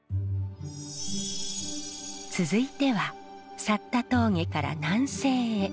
続いては峠から南西へ。